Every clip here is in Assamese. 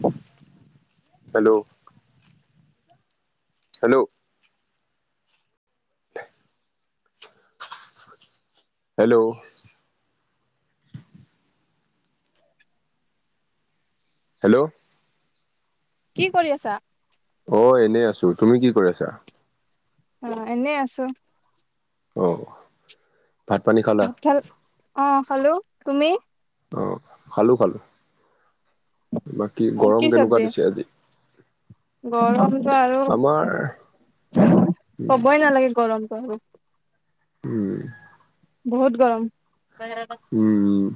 [unintelligible] Hello hello. Hello [inaudible] hello. কি কৰি আছা? অ এনেই আছো, তুমি কি কৰি আছা? অ এনে আছো। অ। ভাত পানী খালা ভাত খাল অ খালো। তুমি? অ খালো খালো। বাকী গৰম কেনেকুৱা দিছে আজি? গৰমতটো আৰু আমাৰ কবই নালাগে গৰম। তই [inaudible] উম উ উ বহুত গৰম ফেনৰ আকৌ স্পীড উম নাইকিয়া হ'ল।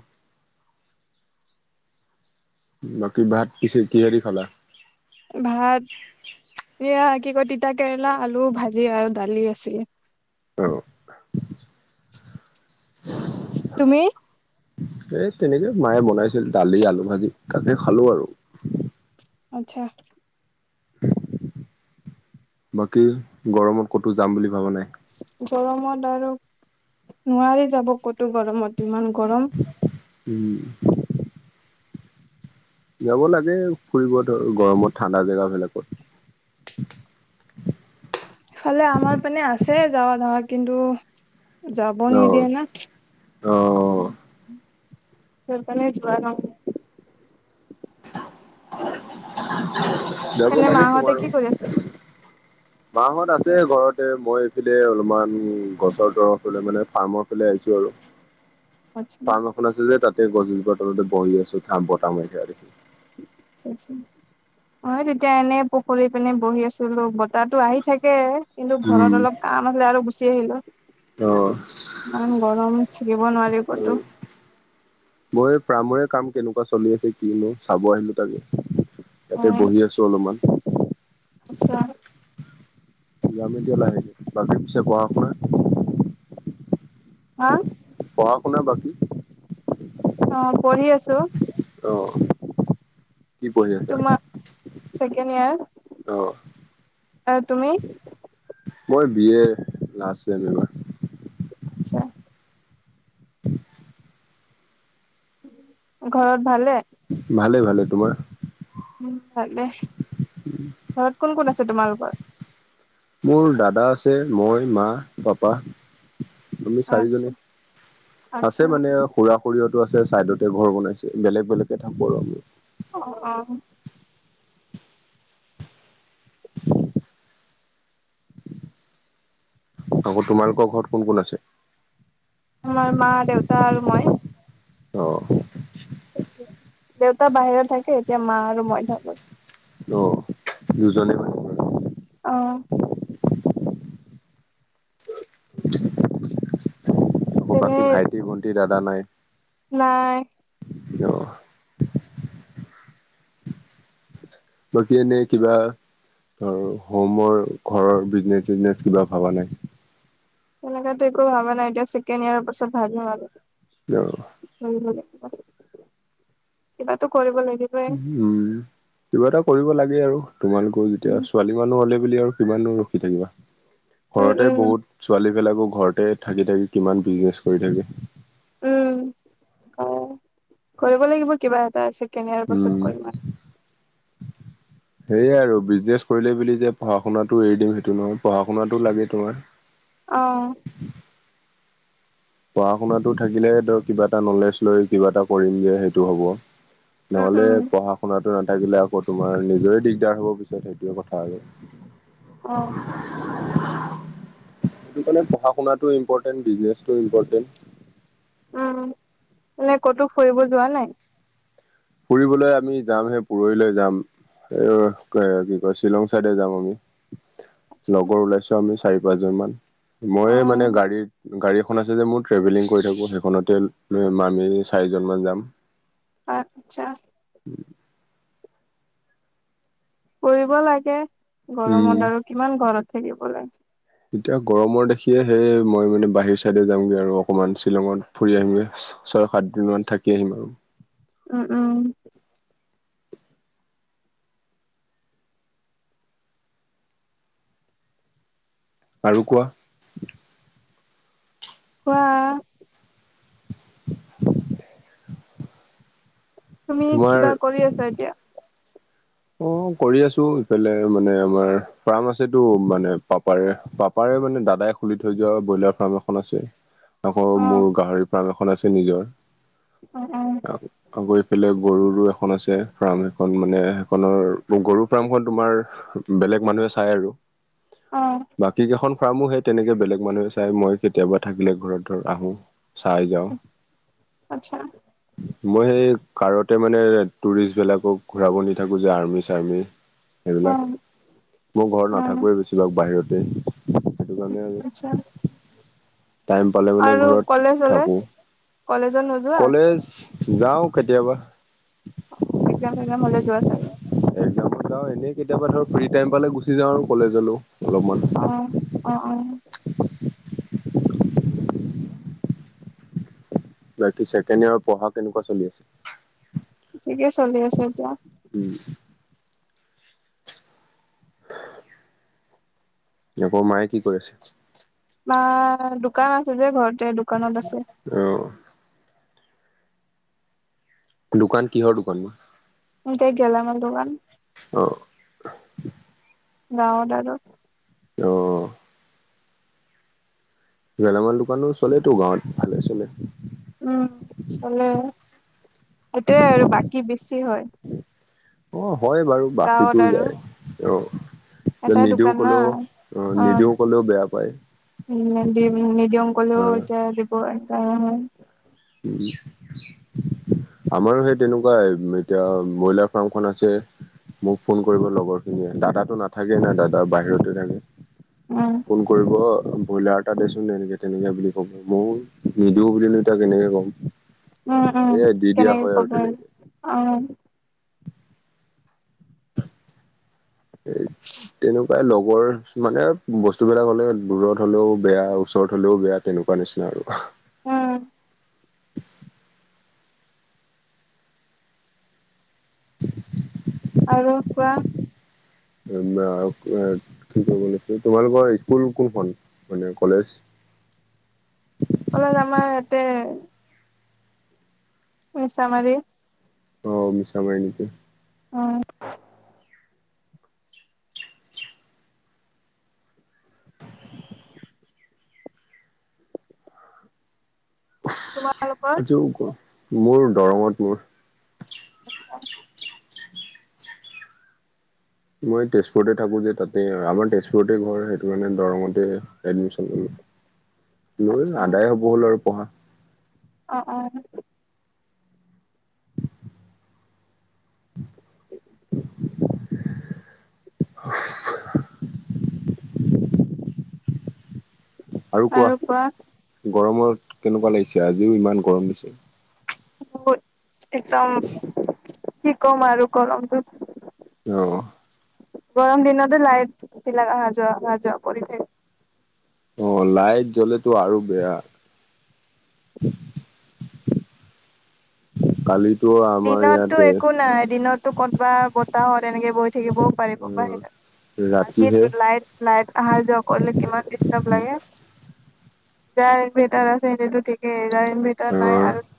বাকী ভাত কিসে কিহেদি খালা? ভাত [unintelligible] এয়া কি কয় তিতা কেৰেলা, আলু ভাজি আৰু দালি আছিলে। তেওঁক ঢি যি চিৰিপ চিৰিপ ছিট তুমি এই তেনেকে মায়ে বনাইছিল দালি, আলু ভাজি তাকে খালো আৰু আচ্ছা। বাকী গৰমত ক'তো যাম বুলি ভাবা নাই। গৰমত আৰু নোৱাৰি যাব ক'তো গৰমত ইমান গৰম উম উ উ ঢক ঢক [unintelligible] যাব লাগে ফুৰিব ধৰ গৰমত ঠাণ্ডা জেগাবিলাকত [inaudible] এফালে আমাৰ পিনে আছে যাৱা-ধাৱা কিন্তু যাব অ নিদিয়ে না অ খিক্ [unintelligible] কোনফালে যোৱা নাই যাবো এনে লাগে মাহঁতে তোমাৰো কি কৰি আছে? মাহঁত আছে ঘৰতে মই এইফালে অলপমান গছৰ তৰফলৈ মানে ফাৰ্মৰ ফালে আহিছো আৰু আচ্ছা [unintelligible] ফাৰ্ম এখন আছে যে তাতে গছজোপাৰ তলতে বহি আছো ধাম বতাহ মাৰিয়া দেখি [unintelligible] চাওকচোন অ, তেতিয়া এনেই পুখুৰী পিনে বহি আছিলো বতাহটো আহি থাকে এ এ কিন্তু ঘৰত উম অলপ কাম আছিলে আৰু গুচি আহিলো।। [inaudible] অ মই প্ৰামাৰ [unintelligible] কাম কেনেকুৱা চলি আছে কি মই চাব আহিলো তাকে অ ইয়াতে বহি আছো অলপমান। আচ্ছা। [unintelligible] হা। পঢ়া শুনা বাকী। অ পঢ়ি আছো। অহঁ। কি কৰিঢ়ি আছা তোমাৰ অহ। অ তুমি। মই বিয় লষ্টচি এবাৰ [unintelligible] আচ্ছা। ঘৰত ভালে। ভালে ভালে তোমাৰ। উম ভাল দে ঘৰত কোন কোন আছে তোমালোকৰ। মোৰ দাদা আছে মই মা পাপা। তুমি আচ্ছা চাৰিজনী আচ্ছা আছে মানে খুৰা খুৰিহত। [unintelligible] আছে ছাইডতে ঘৰ বনাইছে বেলেগ বেলেগকে থাকো আৰু [unintelligible] অ অ। [unintelligible] [inaudible] আকৌ তোমালোকৰ ঘৰত কোন কোন আছে। আমাৰ মা দেউতা আৰু মই। অ। [inaudible] অ দুজনে মানে। অ। আকৌ তেনে বাকী ভাইটি ভণ্টি দাদা নাই। নাই। অহ। বাকী এনেই কিবা। ধৰ হোমৰ ঘৰৰ বিজনেচ চিজনেচ কিবা ভবা নাই। সনেককাতো একো ভাবা নাই এতিয়া চেকেন ইয়াৰ পাছত ভাবিম আৰু। অ কিবাতো কৰিব লাগিব। উম কিবা এটা কৰিব লাগে আৰু তোমালোকৰও উম যেতিয়া ছোৱালী মানুহ হ'লে। আৰু সমান দ ৰখি থাকিবা উম ঘৰতে উম বহুত ছোৱালী বিলাকক। ঘৰতে থাকি থাকি কিমান বিজনেচ কৰি থাকো। উম অ কৰিব লাগিব কিবা এটা আছে। কেনিয়াৰ পাছত কৰিম আৰু। উ [unintelligible] সেয়া আৰু বিজনেছ কৰিলেই বুলি যে পঢ়া শুনাতটো এৰি দিম সেইটো নহয় পঢ়া শুনাতটো লাগে তোমাৰ। অহ। পঢ়া শুনাতটো থাকিলেৰ কিবা এটা নলেজ লৈ কিবা এটা কৰিম যে সেইটো হ'ব। উম নহ'লে উম পঢ়া শুনাতো ন। থাকিলে আকৌ তোমাৰ নিজৰে দিগদাৰ হ'ব বিচাৰে সেইটোৱে কথা আৰু। অ। সেইটো কাৰণে পঢ়া শুনাটো ইম্পৰটেণ্ট বিজনেচটো ইম্পৰটেণ্ট। উম মানে ক'তো ফুৰিব যোৱা নাই। ফুৰিবলৈ আমি যাম সেই পুৰহিলৈ যাম। এই ক কি কয় শ্বিলং চাইডে যাম আমি। লগৰ ওলাইছো আমি চাৰি পাঁচ জন মান অ মইে মানে গাড়ী গাড়ী। এখন আছে যে মোৰ ট্ৰেভেলিং কৰি থাকো সেইখনতে আমি চাৰিজনমান যাম। আচ্ছা [inaudible] কৰিব লাগে উম গৰমত আৰু কিমান ঘৰত থাকিব লাগে। এতিয়া গৰমৰ দেখিয়ে সেই মই মানে বাহিৰ চাইডে যামগে আৰু অকনমান শ্বিলঙত ফুৰি আহিমগৈ। ছয় সাত দিন মান থাকি আহিম আৰু উম উম আৰু কোৱা কোৱা তুমি তোমাৰ কিবা কৰি আছা এতিয়া অ কৰি আছো ইফালে মানে আমাৰ ফাৰ্ম আছেতো মানে পাপাৰ পাপাৰ মানে দাদাই খুলি থৈ যোৱা ব্ৰইলাৰ ফাৰ্ম এখন আছে আকৌ অ মোৰ গাহৰি পাৰ্ম এখন আছে নিজ অ অ এফালে গৰুৰো এখন আছে ফাৰ্ম এখন মানে নৰ গৰু ফাৰ্মখন তোমাৰ বেলেগ মানুহে চাই আৰু অ বাকী কেখন ফাৰ্মৰ সেই তেনেকে বেলেগ মানুহে চাই মই কেতিয়াবা থাকিলে ঘৰত ধৰ আহো চাই যাওঁ [inaudible] আচ্ছা মই সেই কাৰতে মানে টুৰিষ্টবলাকক ঘূৰাব নি থাকো যে আৰ্মি চাৰ্মি অ সেইবিলাক মই ঘৰত অ নাথাকোৱে বেছি ভাগ বাহিৰতে সেইটো কাৰণে আৰু আচ্ছা টাইম পালে মানে আৰু কলেজ ঘৰত চলেজ থাকো কলেজত নোযোৱা কলেজ যাও কেতিয়াবা এক্সাম চেকজাম হলে যোৱা চাগে। একজামত যাওঁ এনেই কেতিয়াবা ধৰ ফ্ৰী টাইম পালে গুচি যাওঁ আৰু কলেজলো অলপমান অ', অ', অ', বাকী ছেকেণ্ড ইয়ৰ পঢ়া কেনেকুৱা চলি আছে। ঠিকে চলি আছে এতিয়া উম আকৌ মায়ে কি কৰি আছে। বা দোকান আছে যে ঘৰতে দোকানত আছে। অ দোকান কিহৰ দোকান তে গেলামাল দোকান আহ [unintelligible] অ গেলামাল দোকানো চলেতো গাঁৱত ভালে চলে সেইটোৱে আৰু বাকী বেছি হয়। অ হয় বাৰু গাঁৱত বাকীতো আৰু যায় আহ যে এটা নিদিও দোকান না ক'লেও অ নিদিও ক'লেও বেয়া পায়। উ দি নিদিয়ম অ কলেও এতিয়া দিব উম আমাৰো সেই তেনেকুৱা এতিয়া ব্ৰইলাৰ ফাৰ্মখন আছে। মোক ফোন কৰিব লগৰ খিনিয়ে দাদা নাথাকে না দাদা বাহিৰতে থাকে। উম, ফোন কৰিব বইলাৰ। তাতেচোন তেনেকে তেনেকে বুলি ক'ব মই নিদিও বুলি নো তাক কেনেকে ক'ম। উম উম সেয়াই দি দিয়া কেনেকে হয় আৰু কবি তেনেকে উম। এ তেনেকুৱাই লগ বৰ মানে বস্তুবিলাক হ'লে দূৰত হলেও বেয়া ওচৰত হলেও বেয়া তেনেকুৱা নিচিনা আৰু উম আৰু কোৱা। উ কি ক তোমালোকৰ স্কুল কোনখন মান কলেজ [unintelligible] কলে আমাৰ ইয়াতে মিছামাৰি অ মিছামাৰি নেকি অ তোমালোকৰ আজি ক মোৰ দৰঙত মোৰ আ মই তেজপুৰতে থাকো যে তাতে আমাৰ তেজপুৰতে ঘৰ সেইটো কাৰণে দৰঙতে এডমিশনো লৈ আচ্ছা আদায় হ'ব হ'ল আৰু পঢ়া অ [inaudible] আৰু কোৱা গৰমত কেনেকুৱা লাগিছে আজিও ইমান গৰম দিছে। একদম কি কম আৰু গৰম টো আহ গৰম দিনতে লাইট বিলাক অহা যোৱা অহ যোৱা কৰি থাকে। অ লাইট জ্বলেটো আৰু বেয়া কালি দিনতটো একো নাই দিনততো কতবাত বতাহত এনেকে বৈ থাকিব। পাৰেব অ বাহ ৰাতি ৰাতিহে লাইট লাইট অহা যোৱা কৰিলে কিমান দিষ্টাৰ্ব লাগে। যাৰ ইনভাৰটাৰ আছে সেইটোতো ঠিকেই যাৰ ইনভাৰ্টাৰ অ নাই আৰু [inaudible]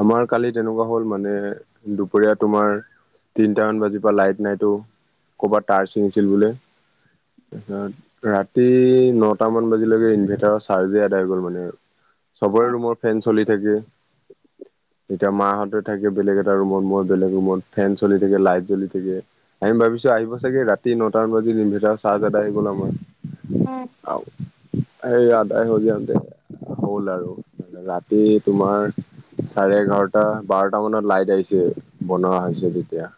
আমাৰ কালি তেনেকুৱা হ'ল মানে দুপৰীয়া তোমাৰ তিনিটামান বাজিৰ লাইট নাইতো কৰবাত তাৰ ছিঙিছিল বোলে তাৰপিছত ৰাতি নটামান বাজিলৈকে ইনভাৰ্টাৰৰ চাৰ্জেই এদায় গ'ল মানে চবৰে ৰুমৰ ফেন চলি থাকে এতিয়া মাহঁতে থাকে বেলেগ এটা ৰুমত মই বেলেগ ৰুমত ফেন চলি থাকে লাইট জ্বলি থাকে আহিম তাৰ পিছত আহিব চাগে ৰাতি নটান বাজাত ইনভাৰটাৰ চাৰ্জ এদায় হৈ গ'ল আমাৰ সেই আদায় হৈ যাওতে হ'ল আৰু মানে ৰাতি তোমাৰ চাৰে এঘাৰটা বাৰটা মানত লাইট আহিছে বনোৱা হৈছে যেতিয়া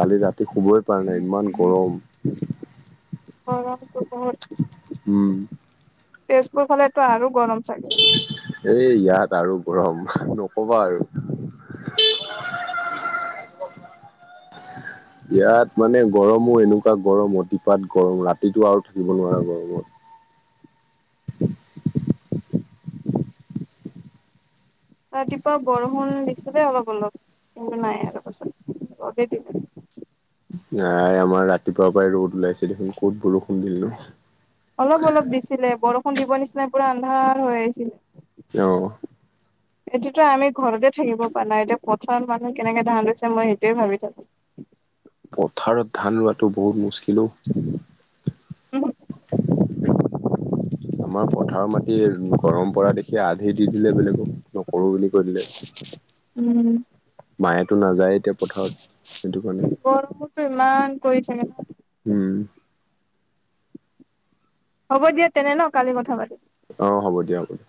কালি ৰাতি শুবই পৰা নাই ইমান গৰম অ উম তেজপুৰ ফালেটো আৰু গৰম চাগে এই ইয়াত আৰু গৰম নকবা আৰু [unintelligible] ইয়াত মানে গৰমো এনেকুৱা গৰম অতিপাত গৰম ৰাতিটো আৰু থাকিব নোৱাৰা গৰমত [inaudible] ৰাতিপুৱা বৰষুণ দেখিছোঁ দেই অলপ অলপ নাই আৰু ৰচোন ৰবি দিলে এ আমাৰ ৰাতিপুৱা পৰাই ৰ'দ ওলাইছে দেখোন ক'ত বৰষুণ দিলেনো অলপ অলপ দিছিলে বৰষুণ দিব নিচিনা পুৰা আন্ধাৰ হৈ আহিছিলে অহ এইটোতো আমি ঘৰতে থাকিব পৰা নাই এতিয়া পথাৰত মানুহ কেনেকে ধান লৈছে মই সেইটোৱে ভাবি থাকো পথাৰত ধান ৰোৱাটো বহুত মুস্কিলো অ উম আমাৰ পথাৰ মাটি গৰম পৰা দেখি আধি দি দিলে বেলেগক সৰু বুলি কৈ দিলে। উম। মায়েতো নাযায় এতিয়া পথাৰত সেইটো কাৰণে কিমান কৰিথাকে। উম হ'ব দিয়া তেনে ন কালি কথা পাতিম অঁ হ'ব দিয়া হ'ব দিয়া।